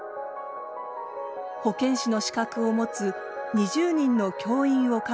保健師の資格を持つ２０人の教員を確保。